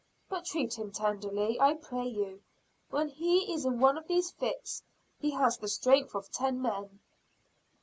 But treat him tenderly, I pray you. When he is in one of these fits, he has the strength of ten men."